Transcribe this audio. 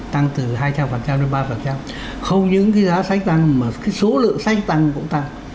tăng từ hai trăm linh đến ba không những cái giá sách tăng mà cái số lượng sách tăng cũng tăng